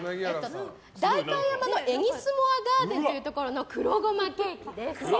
代官山のエニスモアガーデンというところの黒ごまケーキです。